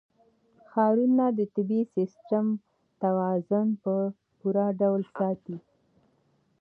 ښارونه د طبعي سیسټم توازن په پوره ډول ساتي.